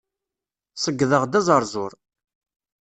Ṣeyydeɣ-d azeṛzuṛ.